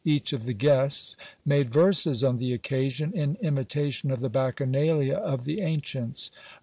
Each of the guests made verses on the occasion, in imitation of the Bacchanalia of the ancients.